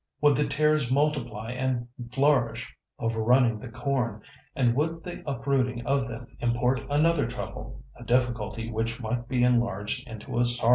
"Would the tares multiply and flourish, overrunning the corn, and would the uprooting of them import another trouble—a difficulty which might be enlarged into a sorrow?